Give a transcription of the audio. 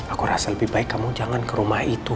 aku rasa lebih baik kamu jangan ke rumah itu